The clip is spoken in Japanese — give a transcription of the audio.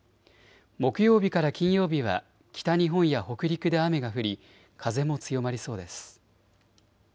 木曜日から金曜日は北日本や北陸で雨が降り風も強まりそうです。